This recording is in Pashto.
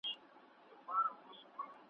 د ښو څخه ښه زېږي د بدو څخه واښه `